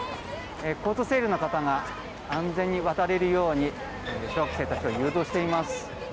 交通整理の方が安全に渡れるよう小学生たちを誘導しています。